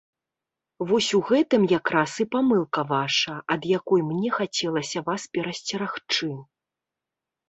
Вось у гэтым якраз і памылка ваша, ад якой мне хацелася вас перасцерагчы.